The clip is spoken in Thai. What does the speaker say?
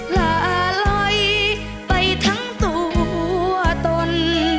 ลาลอยไปทั้งตัวตน